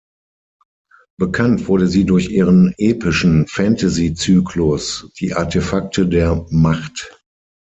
Bekannt wurde sie durch ihren epischen Fantasy-Zyklus „Die Artefakte der Macht“.